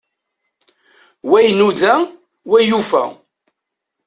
Wa inuda, wa yufa.